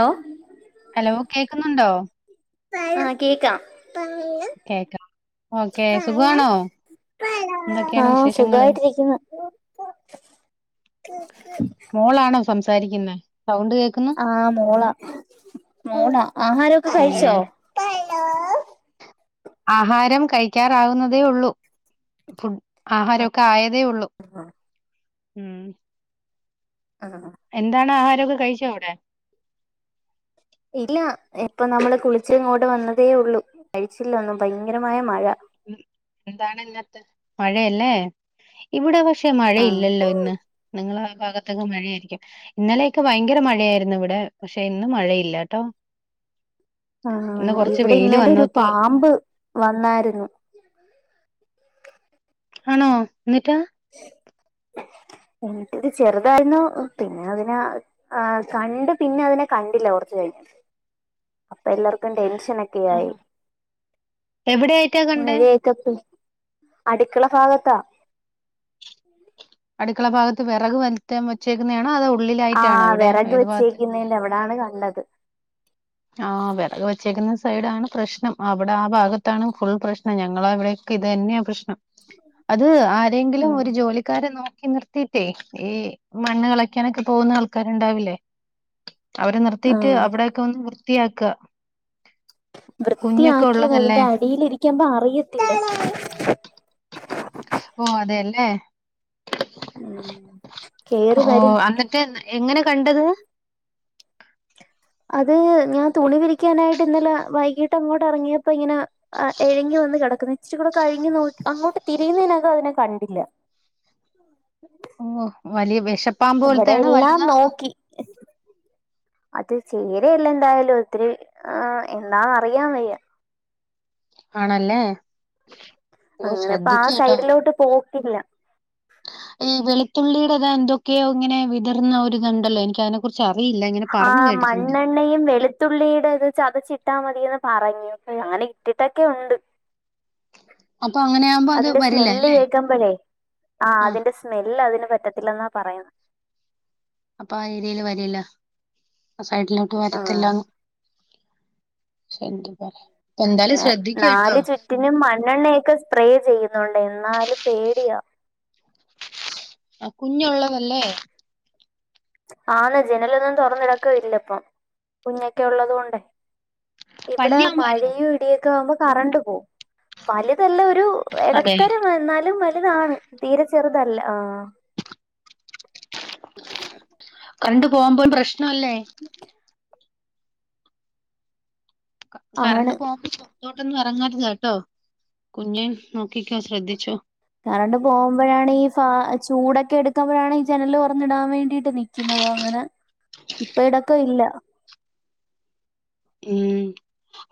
ഓ hello കേക്കുന്നുണ്ടോ? ആ കേക്കാം. കേക്ക. ഓക്കെ പഴം സുഗാണോ ആ എന്തൊക്കെയാണ് വിശേഷങ്ങള് സുഖായിട്ടിരിക്കുന്നു മോളാണോ സംസാരിക്കുന്നെ സൗണ്ട് കേക്കുന്നു. ആ മോള. ന്നോടാ ആഹാരൊക്കെ ഉം. കഴിച്ചോ? ആഹാരം കഴിക്കാറാവുന്നതേ ഉള്ളൂ. ഫുഡ് ആഹാരൊക്കെ ആയതെ തേ ഉള്ളൂ ഉം ആ എന്താണ് ആഹാരൊക്കെ കഴിച്ചോ അവിടെ ഇല്ല ഇപ്പൊ നമ്മള് കുളിച്ച് ഇങ്ങോട്ട് വന്നതേ ഉള്ളൂ കഴിച്ചില്ല ഒന്നും ഭയങ്കരമായ മഴ എന്താണ് ഇന്നത്തെ മഴയല്ലേ ഇവിടെ പക്ഷേ മഴ ആ ഇല്ലല്ലോ ഇന്ന് നിങ്ങളെ ഭാഗത്തൊക്കെ മഴയായിരിക്കും ഇന്നലെയൊക്കെ ഭയങ്കര മഴയായിരുന്നു ഇവിടെ പക്ഷെ ഇന്ന് മഴയില്ലട്ടോ ആ ഇവിടെ ഇന്നലൊരു പാമ്പ് വന്നായിരുന്നു. ആണോ എന്നിട്ട് എന്നിട്ട് ഇത് ചെറുതായിരുന്നു പിന്നെ അതിനെ ആ കണ്ട് പിന്നെ അതിനെ കണ്ടില്ല കുറച്ച് കഴിഞ്ഞ് ല്ലർക്കും ടെൻഷനൊക്കെ ആയി ആഹ്. എവിടെയായിട്ടാ മഴ കണ്ടേ? യൊക്കെ അടുക്കള ഭാഗത്താ അടുക്കള ഭാഗത്ത് വിറക് വറ്റം വെച്ചേക്കുന്നതാണ് അത ആ വിറക് വെച്ചേക്കുന്നതിന്റെവിടെ ദാണ് കണ്ടത് ആ വിറക് വെച്ചേക്കുന്ന സ് സൈഡാണ് പ്രശ്നം അവിടെ ആ ഭാഗത്താണ് ഫുൾ പ്രശ്നം ഞങ്ങളവിടെ ക്കേ ഇതന്നെയാണ് പ്രശ്നം അത് ആരെങ്കിലും ഉം ഒരു ജോലിക്കാരെ നോ നിർത്തിട്ടേ ഈ മണ്ണ് കളക്കാനൊക്കെ പോകുന്ന ആൾക്കാരുണ്ടാവില്ലേ അവരെ നിർത്തിയിട്ട് ആഹ് അവിടെയൊക്കെന്ന് വൃ വൃർത്തിയാക്ക വൃത്തിയാക്കിയത് അതിന്റെ അടിയിൽ ഇരിക്കുമ്പോ അറിയത്തില്ല ഓ അതെല്ലേ കേറി ഓ വരും അന്നിട്ട് എങ്ങനെ കണ്ടത് അത് ഞാൻ തുണി വിരിക്കാനായിട്ട് ഇന്നലെ വൈകിട്ട് അങ്ങോട്ട് ഇറങ്ങിയപ്പോ ഇങ്ങനെ എഴഞ്ഞ് വന്ന് കിടക്കുന്നു ഇച്ചിരൂടെ കഴിഞ്ഞ് അങ്ങോട്ട് തിരിയുന്നനകം അതിനെ കണ്ടില്ല ഓ വലിയ ബശ അവിടെ എല്ലാം നോക്കി അത് ചേരയല്ല ന്തായാലും ത്തിരി എന്താ അറിയാൻ വയ്യ ആണല്ലേ ഓ അങ്ങനെ പ്പ ആ ശ്രദ്ധിക്ക കേട്ടോ സൈഡിലോട്ട് പോ ക്കില്ല ഈ വെളുത്തുള്ളിയുടെ ഇത എന്തൊക്കെയോ ഇങ്ങനെ വിതർന്ന ഒരുതുണ്ടല്ലോ എനിക്ക് അതിനെ കുറി ആ മണ്ണെണ്ണയും വെളുത്തുള്ളിയുടെ ഇത് ചതച്ചിട്ടാ മതിന്ന് പറഞ്ഞു അങ്ങനെ ഇട്ടിട്ടൊക്കെ ഉണ്ട് അപ്പൊ അങ്ങനെ ആകുമ്പോ അത് അതിന്റെ വരില്ല സ്മെല് അല്ലേ ഏക്കുമ്പഴേ ആ അതിന്റെ സ്മെല് അതിന് പറ്റത്തില്ലെന്നാ പറയുന്ന അപ്പ ആ ഏരിയയില് വരില്ല സൈഡിലോട്ട് ആഹ് വരത്തില്ല ശന്ദ് പറ അങ്ങനെ നാലു ചുറ്റിനും മണ്ണെണ്ണയൊക്കെ സ്പ്രേ ചെയ്യുന്നുണ്ട് എന്നാലും പേടിയാ ആ കുഞ്ഞള്ളതല്ലേ ആന്ന ജനലൊന്നും തുറന്നിടക്ക ഇല്ല ഇപ്പൊ കുഞ്ഞൊക്കെ ഉള്ളത് കൊണ്ടേ ഇവിടെ പല്ലിയാകുമായിരുന്നു മഴയും ഇടിയും കറണ്ട് പോകും ഒരു അതെ ഇടിത്തരം എന്നാലും താണ് തീരെ ചെറുതല്ല ആഹ [inaudible] കണ്ടു പോകുമ്പോൾ പ്രശ്നമല്ലേ ആഹ് കറണ്ട് ആണ് പോകുമ്പോ അന്തോട്ടൊന്ന ഇറങ്ങരുത് കേട്ടോ കുഞ്ഞൻ നോക്കിക്കോ ശ്രദ്ധിച്ചോ കാരണ്ട് പോകുമ്പോഴാണ് ഈ ഫ ചൂടൊക്കെ എടുക്കുമ്പോഴാണ് ഈ ജനല് ഉറന്നിടാൻ വേണ്ടിട്ട് നിക്കുന്നത് അങ്ങനെ ഇപ്പ ഇടൊക്കെ ഇല്ല ഉം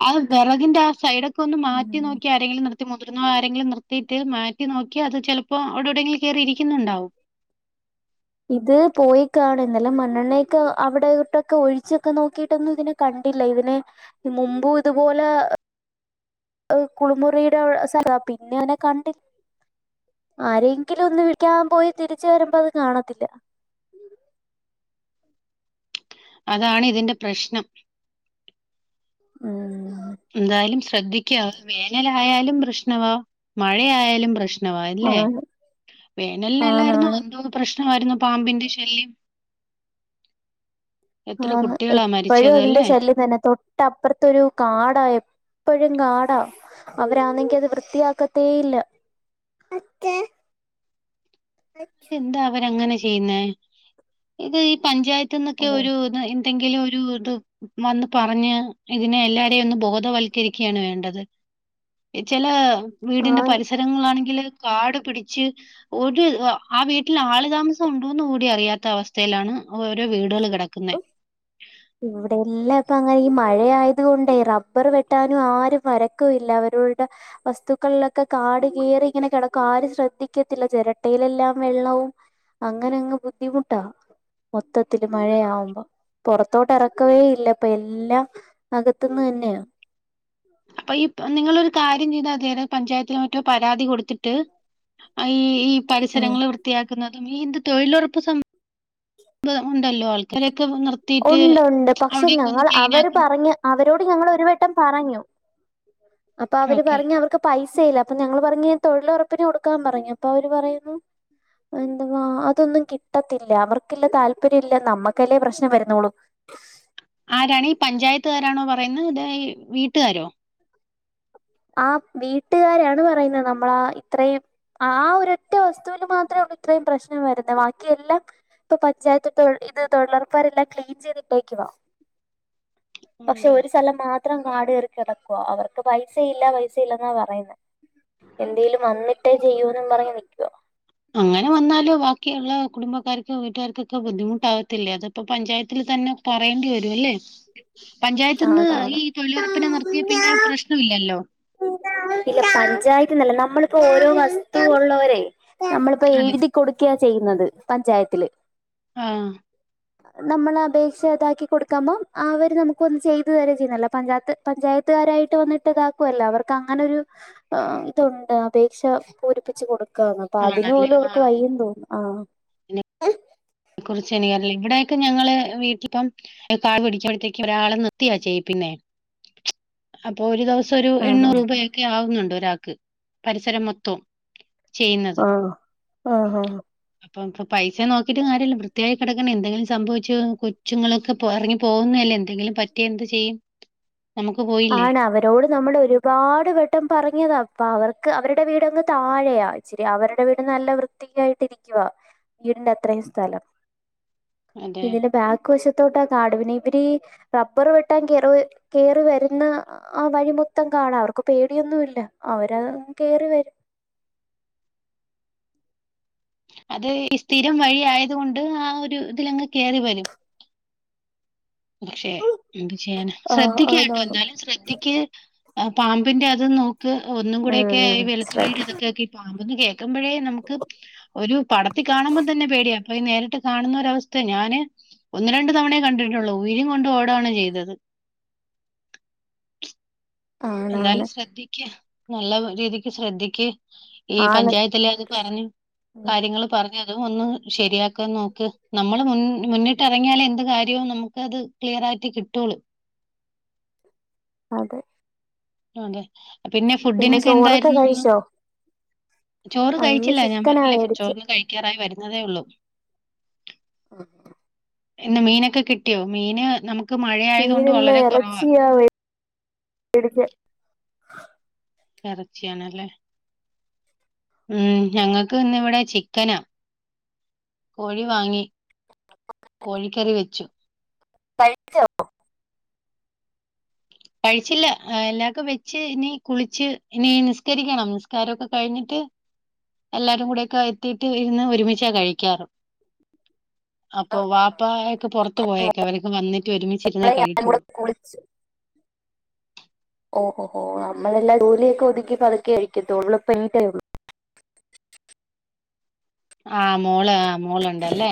ആ വറഗിന്ന ആ സൈഡക് ഒന്ന് മാറ്റി ഉം നോക്കി ആരെങ്കില നിർത്തി മുതിർന്ന ആരെങ്കിലും നിർത്തി മറ്റേത് മാറ്റി നോക്കി അത് ചിലപ്പോ അവിടെ എവിടെങ്കിലിൽ കേയറി ഇരിക്കുന്നുണ്ടാവും ഇത് പോയി കാണുന്നല്ല മണ്ണെണ്ണയൊക്കെ അവിടെ ഇട്ടൊക്കെ ഒഴിച്ചൊക്കെ നോക്കിട്ടൊന്നും ഇതിനെ കണ്ടില്ല ഇതിനെ മുമ്പും ഇതുപോലെ ഏർ കുളിമുറിയുടെ സ്ഥല പിന്നെ അവനെ കണ്ടില്ല ആരെങ്കിലും ഒന്ന് വിക്കാൻ പോയി തിരിച്ച വരുമ്പോ അത് കാണത്തില്ല അതാണ് ഇതിന്റെ പ്രശ്നം ഉം എന്തായാലും ശ്രദ്ധിക്കുക വേനലായാലും പ്രശ്നവാ മഴയായാലും പ്രശ്ന പ്രല്ലേ ആണ് വേനലിനല്ലായിരുന്നു ആണാണ് എന്തോ പ്രശ്ന പ്രമായിരുന്നു പാമ്പിന്റെ ശല്യം എത്ര ആഹ കുട്ടികളാ എപ്പോഴും മരിച്ചത് അതിന്റെ അല്ലേ ശല്യം തന്നെ തൊട്ടപ്പുറത്തൊരു കാടായ എപ്പോഴും കാടാ അവരാണെങ്കി അത് വൃത്തിയാക്കത്തേ ഇല്ല അതെന്താ അവരങ്ങനെ ചെയ്യ ഇത് ഈ പഞ്ചായത്ത് പന്നൊക്കെ ഓ ഒരു എന്തെങ്കിലും ഒരു ഇത് വന്ന് പറഞ്ഞ് ഇതിനെ എല്ലാരെയും ഒന്ന് ബോധവൽക്കരിക്കുകയാണ് വേണ്ടത് ചില വീടിന്റെ ആന്ന് പരിസരങ്ങളാണെങ്കില് കാട് പിടിച്ച് ഒരു ആ വീട്ടിൽ ആളുതാമസം ഉണ്ടോന്ന് കൂടി അറിയാത്ത അവസ്ഥയിലാണ് ഓരോ വീടുകൾ ക നടക്കുന്ന ഇവിടെ എല്ലാംക്ക അങ്ങനെ ഈ മഴയത കൊണ്ടേ റബ്ബർ വെട്ടാനും ആരും വരക്കല്ല അവരുടെ വസ്തുക്കളിലൊക്കെ കാട് കയറി ഇങ്ങനെ കിടക്കും ആരും ശ്രദ്ധിക്കത്തില്ല ചിരട്ടയിലെല്ലാം വെള്ളവും അങ്ങനെ അങ്ങ് ബുദ്ധിമുട്ടാ മൊത്തത്തില്ൽ മഴയാകുമ്പോ പുറ അത്തോട്ട ഇറക്കവേ ഇല്ല അപ്പൊ എല്ലാം അകത്തുന്ന് തന്നെയാണ് അപ്പൊ ഈ നിങ്ങളൊരു കാര്യം ചെയ്താ അദ് പഞ്ചായത്തിലെ മറ്റോ പരാതി കൊടുത്തിട്ട് ഈ ഈ ഉം പരിസരങ്ങൾ വൃത്തിയാക്കുന്നത് ഈന്ത് തൊഴിലുറപ്പ് സംം ഉണ്ടല്ലോ ആൾക്കാര ഉണ്ട് ഉണ്ട് പക്ഷെ ഒന്ന് ഞങ്ങൾ ക്ലീൻ അവര് ആക്കുന്നു പറഞ്ഞ് അവരോ ഞങ്ങൾ ഒരു വട്ടം പറഞ്ഞു അപ്പൊ അവര് ഓക്കെ പറഞ്ഞഞ് അവർക്ക് പൈസ ഇല്ല അപ്പൊ ഞങ്ങൾ പറഞ്ഞു തൊഴിലുറപ്പിന് കൊടുക്കാൻ പറഞ്ഞു അപ്പൊ അവര് പറയുന്നു എന്താവാ അതൊന്നും കിട്ടത്തില്ല അവർക്കല്ല താല്പര്യം ഇല്ല നമ്മക്കല്ലേ പ്രശ്ന വ ന്നോളു ആരാണി പഞ്ചായത്തുകാരാണോ പറഞ്ഞ പറയുന്ന അതോ വീട്ടുകാരോ ആ വീട്ടുകാരാണ് പറയുന്നത് നമ്മളാ ഇത്രയും ആ ഒര ഒറ്റ അവസ്ഥ മാത്രമേുള്ള ഇത്രയും പ്രശനം വെറുതെ ബാക്കിയ എല്ലാം ഇപ്പൊ പഞ്ചായത്ത് ഇത് തൊഴിലുറപ്പരെല്ലാം ക്ലീൻ ചെയ്തിട്ടേക്കുവ പക്ഷെ അതെ ഒരു സ്ഥലം മാത്ര ത്രം കാട് കയറി കിടക്കുവ അവർക്ക് പൈസയില്ല പൈസയില്ല എന്നാ പറയുന്നത് എന്തേലും വന്നി ട്ടേ ചെയ്യോ എന്നും പറഞ്ഞ് നിൽക്കുവ അങ്ങനെ വന്നാല് ബാക്കിയുള്ള കുടുംബക്കാർക്കും വീട്ടുകാര് ക്കൊക്കെ ബുദ്ദിമുട്ടാവത്തിലെ അത് ഇപ്പൊ പഞ്ചായത്തിൽ തന്നെ പറയേണ്ടി വരും അല്ലേ പഞ്ചായത്ത് നിന്ന് ആണാണ് ഈ തൊഴിലുറപ്പിനെ നിർത്തിയ പിന്നെ പ്രശ്നം ഇല്ലല്ലോ ഇല്ല പഞ്ചായത്ത്ന്നല്ല നമ്മളിപ്പോ ഓരോ വസ്തു ഉള്ളവരെ നമ്മളിപ്പോ അതെ എഴുതി കൊടുക്കയാ ചെയ്യുന്നത് പഞ്ചായത്തില് ആഹ നമ്മള അപേക്ഷ ഇതാക്കി കൊടുക്കാപോ അവര് നമുക്ക്ന്ന് ചെയ്തു തരെ ചെയ്യുന്നല്ല പഞ്ചായത്ത് പഞ്ചായത്തുകാരായിട്ട് വന്നിട്ട് ഇതാക്കുവല്ലോ അവർക്ക് അങ്ങനെരു ഇതുണ്ട് അപേക്ഷ പൂരിപ്പിച്ച്കൊടുക്കും അപ്പോ ആണല്ലേ അതിനുപോലും അവർക്ക് ആഹ് വയ്യ തോന്നും ആ ഇവിടെക്കെ ഞങ്ങള് വീട്ടിപ്പം കാട് പിടിച്ചഴത്തേക്ക് ഒരാളെ നിർത്തിയാ ചേയ്യിക്കുന്നത് പിന്നെ അപ്പൊ ഒരു ദിവസ സൊ ഒരു ആഹ് എണ്ണൂറ് രൂപയക്കെ ആവുന്നുണ്ട് ഒരാക്ക് പരിസരം മൊത്തം ആ ആ ആ അപ്പ പൈസ നോക്കി കാര്യം ഇല്ല വൃത്തിയായി കിടക്കണ്ടേ എന്തങ്കിലും സംഭവിച്ചു കൊച്ചുങ്ങളൊക്കെ- പൊ എറങ്ങി പോകുന്നല്ലേ? എന്തെങ്കിലും പറ്റി എന്ത് ചെയ്യും - ആണ് അവരോട് നമ്മള് ഒരുപാട് വെട്ടം പറഞ്ഞതാ. അപ്പൊ അവർക്ക് അവരുടെ വീടങ് താഴെയാ ഇച്ചിരി അവരുടെ വീട് നല്ല വൃത്തിക്കായിട്ട് ഇരിക്കുവ വീടിന്റെ അത്രയും സ്ഥലം. അതെ ഇതിന്റെ ബാക്ക് വശത്തോട്ട് ആ കാടു പിന്നെ ഈ അവര് റബ്ബർ വെട്ടാൻ കേറ് കേറി വര് ഇന്ന് ആ വഴി മൊത്തം കാടാ. അവർക്ക് പേടിയൊന്നും ഇല്ല. അവര് കേറി വരും. അത് ഈ സ്ഥിരം വഴി ആയത് കൊണ്ട് ആ ഒരു ഇതിലങ് കേറി വരും. പക്ഷെ എന്ത് ചെയ്യാന ആഹ് ശ്രദ്ധിക്ക്ട്ടോ ആന്നാന്ന്. എന്താലും ശ്രദ്ധിക്ക്. [unintelligible] പാമ്പിന്റെ അത് നോ ക്ക് ഒന്നും കൂടെക്കെ ഉം വെള്ത്തുള്ളിടെ ശ്രദ്ധ ഇതൊക്കെക്കി പാമ്പന്ന് കേക്കു ക്കുമ്പഴേ നമുക്ക് ഒരു പടത്തി കാണുമ്പം തന്നെ പേടിയ പ്പൊ ഈ നേരിട്ട് കാണുന്നൊരവസ്ഥേ. ഞാന് ഒന്ന് രണ്ട് തവണയേ കണ്ടിട്ടുള്ളൂ. [unintelligible] കൊണ്ട് ഓ താണ് ചെയ്തത്. എന്നാലും ആണാണ്. ശ്രദ്ധിക്ക. നല്ല രീതിക്ക് ശ്രദ്ധിക്ക്. ഈ ആണ്. പഞ്ചായത്തില് അത് പറഞ്ഞു ഉം കാര്യങ്ങള് പറ അതും ഒന്ന് ശരിയാക്കാ നോക്ക് നമ്മള് മുൻ മുന്നിട്ടിറങ്ങിയാലെ എന്ത് കാര്യവും നമുക്ക് അത് ക്ലിയർ ആയിട്ട് കിട്ടൊള്ളു. അതെ. അതെ. പിന്നെ ഫുഡിനൊക്കെ ചോറൊക്കെ എന്തായിരുന്നു ഇന്ന്? കഴിച്ചോ? ചോറ് ആ ഇന്ന് കഴിച്ചില്ല ഞാൻ ചിക്കനാ പറഞ്ഞില്ലേ മേടിച്ചെ. ചോറ് കഴിക്കാറായി വരു ന്നതേ ഉള്ളു. ആഹ് ആഹ് ഇന്ന് മീനക്കെ കിട്ടിയോ? മീന് നമു മീനല്ല എറച്ചിയാ വേടിച്ചേ. എറച്ചിയാണല്ലേ? ഉം ഞങ്ങക്ക് ഇന്നിവിടെ ചിക്കനാ കോഴി വാങ്ങി കോഴിക്കറി വെച്ചു. കഴിച്ചോ? കഴിച്ചില്ല എല്ലാക്കും വെച്ച് ഇനി കുളിച്ച് ഇനി നിസ്കരിക്കണം നിസ്കാരൊക്ക കഴിഞ്ഞിട്ട് എല്ലാരും കൂടെയൊക്കെ എത്തീട്ട് ഇരുന്ന് ഒരുമിച്ചാ കഴിക്കാറ്. അപ്പോ വാപ്പായൊക്കെ പൊറത്ത് പോയേക്കാ അവരൊക്കെ വന്നിട്ട് ഒരുമിച്ചിരുന്നേ മോളെ ഞാനും കഴിക്കുളൂ. കൂടെ കുളിച്ചു. ഓഹ് ഓഹ് ഓഹ് നമ്മളെല്ലാം ജോലിയൊക്കെ ഒതുക്കി പതുക്കെ കഴിക്കത്തൊള്ളൂ ഇപ്പ എണീറ്റേയുള്ളൂ. ആഹ് മോള് ആഹ് മോള്ണ്ടല്ലേ.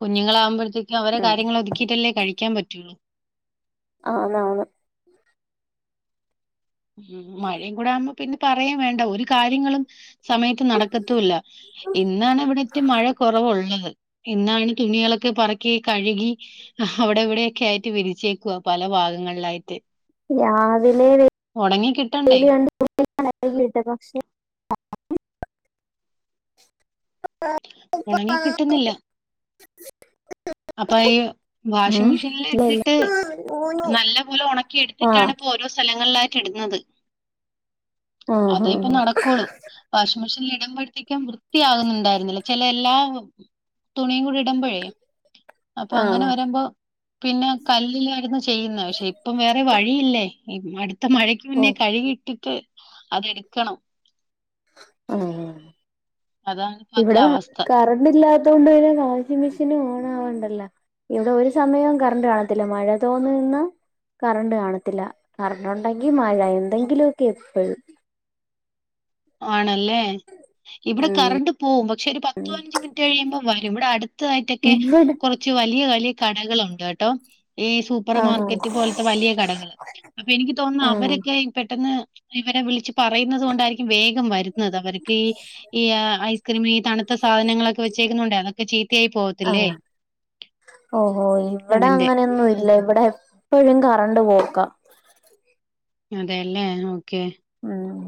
കുഞ്ഞ്ങ്ങളാവുമ്പഴ് ത്തേക്ക് അവര ഉം കാര്യങ്ങളൊതുക്കിട്ടല്ലേ കഴിക്കാൻ പ റ്റിളു അന്നാന്ന് ഉം മഴയും കൂടെ ആ [unintelligible] പിന്നെ പറയാ വേണ്ട ഒരു കാര്യങ്ങളും സമയത്ത് നാടകത്തുവില്ല ഇന്നാണ് ഇവിടത്തെ മഴ കുറവുള്ളത് എന്നാണ് തുണികളൊക്കെ പറക്കി കഴുകി അവിടെ ഇവിടൊക്കെആയിട്ട് വിരിച്ചേക്കുവ പല ഭാഗങ്ങളിലായിട്ട് രാവിലെ ഉണങ്ങി വ കിട്ടണ്ടേ [unintelligible] [unintelligible] പക്ഷേ ഉണങ്ങി [inaudible] കിട്ടുന്നില്ല [inaudible] അപ്പൊ ഈ വാഷിംഗ് ഉം മെഷീനിൽ ഇല്ല ഇല്ല ഇട്ടിട്ട് നല്ല പോലെ ഒണക്കി എടുത്തിട്ടാണ് ആഹ് ഇപ്പോ ഓരോ സ്ഥല [unintelligible] ഇടുന്നത് ആഹ് അതെ ഇപ്പ ആഹ് നടക്കുള്ളൂ വാഷിംഗ് മെഷീനൽ [unintelligible] ഇടുമ്പോഴത്തേക്കും വൃത്തിയാകുന്നുണ്ടായിരുന്നില്ല ചില എല്ലാ തുണിയും കൂടി ഇടുമ്പോഴേ അപ്പൊ അങ്ങനെ ആഹ് വരുമ്പോ പിന്നെ കല്ലിലായിരുന്നു ചെയ്യുന്നത് പക്ഷെ ഇപ്പം വേറെ വഴി [unintelligible] യില്ലേ അടു [unintelligible] ഇപ്പ മഴയ്ക്ക് ഓ മുന്നേ കഴുകിട്ടിട്ട് [unintelligible] അതെടുക്കണം ആ അതാണ് ഇപ്പത്തെ ഇവിടെ അവസ്ഥ കറണ്ട് ഇല്ലാ [unintelligible] വാഷിംഗ മെഷീനും ഓൺ ആവണ്ടല്ല ഇവിടെ ഒരു സമയം കറണ്ട് കാണത്തില്ല മഴ തോന്ന് നിന്ന കറണ്ട് കാണത്തില്ല കറണ്ട് ഒണ്ടെങ്കിൽ [unintelligible] മഴ എന്തെങ്കിലുമൊക്കെ എപ്പ [unintelligible] ആണല്ലേ ഏ ഇവിടെ ഉം കറണ്ട് പോവും പക്ഷെ ഒരു പത്ത് അഞ്ച് മിനിറ്റ് കഴിയുമ്പ വരും ഇവിടെ അടുത്തതായിട്ടൊക്കെ ഇവിടെ കുറച്ച് വലിയ ക [unintelligible] കടകളുണ്ട് കേട്ടോ ഈ സൂപ്പർ ആഹ് മാർക്കറ്റ് പോലത്തെ വലിയ കടകള് അപ്പൊ എനിക്ക് തോന്നുന്നു ആഹ് അവരൊക്കെ പെട്ടെന്ന് ഇവരെ വിളിച്ച് പറയുന്നത് കൊണ്ടായിരിക്കും വേഗം വരും അവർക്ക് ഈ ഈ ഐസ്ക്രീം ഈ തണുത്ത സാധനങ്ങളൊക്കെ വെച്ചേക്കുന്നുണ്ടെ [unintelligible] [unintelligible] ആ ഓഹോ ഇവിടെ അതിന്റെ അങ്ങനെന്നും ഇല്ല ഇവിടെ എപ്പോഴും കറണ്ട് പോകും ക്ക അതല്ലേ [unintelligible] ഓക്കെ ഉം